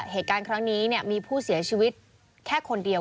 เหตุการณ์ครั้งนี้มีผู้เสียชีวิตแค่คนเดียว